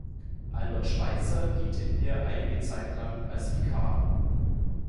Albert Schweitzer diente in ihr eine Zeit lang als Vikar.